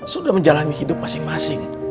sudah menjalani hidup masing masing